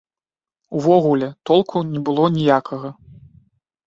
Увогуле, толку не было ніякага.